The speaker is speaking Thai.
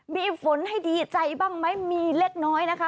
มีฝนให้ดีใจบ้างไหมมีเล็กน้อยนะคะ